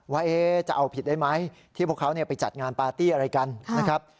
ว่าจะเอาผิดได้ไหมที่พวกเขาไปจัดงานปาร์ตี้อะไรกันนะครับ